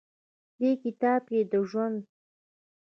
دې کتاب کښې د ژوند